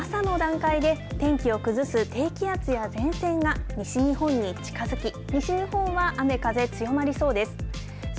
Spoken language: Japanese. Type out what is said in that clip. あすの朝の段階で天気を崩す、低気圧や前線が西日本に近づき西日本は雨風強まりそうです。